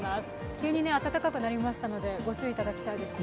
急に暖かくなりましたのでご注意いただきたいですね。